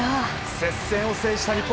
接戦を制した日本。